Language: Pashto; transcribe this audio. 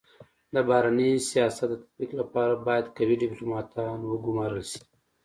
د بهرني سیاست د تطبیق لپاره بايد قوي ډيپلوماتان و ګمارل سي.